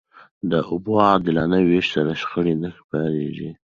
د اوبو عادلانه وېش سره، شخړې نه پارېږي.